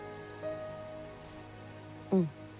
うん。